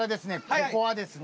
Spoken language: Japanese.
ここはですね